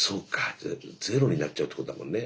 じゃあゼロになっちゃうってことだもんね。